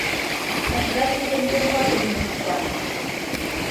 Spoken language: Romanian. Aș vrea să înțelegem foarte bine situația.